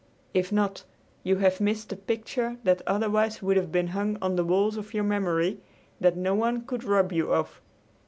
If not, you have missed a picture that otherwise would have been hung on the walls of your memory, that no one could rob you of.